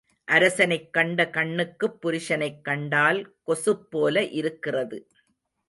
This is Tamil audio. அரசனைக் கண்ட கண்ணுக்குப் புருஷனைக் கண்டால் கொசுப் போல இருக்கிறது.